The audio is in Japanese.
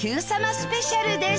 スペシャルです。